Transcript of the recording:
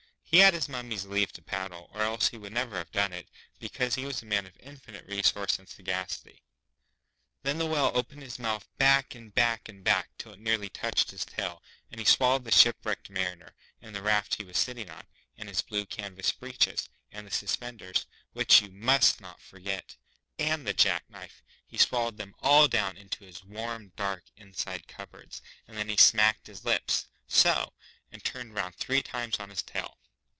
(He had his mummy's leave to paddle, or else he would never have done it, because he was a man of infinite resource and sagacity.) Then the Whale opened his mouth back and back and back till it nearly touched his tail, and he swallowed the shipwrecked Mariner, and the raft he was sitting on, and his blue canvas breeches, and the suspenders (which you must not forget), and the jack knife He swallowed them all down into his warm, dark, inside cup boards, and then he smacked his lips so, and turned round three times on his tail.